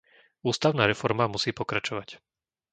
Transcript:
Ústavná reforma musí pokračovať.